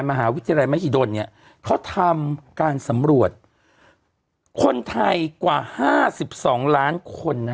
มหาวิทยาลัยมหิดลเนี่ยเขาทำการสำรวจคนไทยกว่าห้าสิบสองล้านคนน่ะ